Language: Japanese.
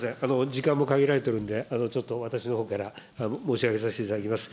時間も限られておるんで、ちょっと私のほうから、申し上げさせていただきます。